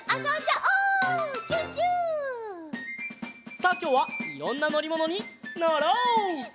さあきょうはいろんなのりものにのろう！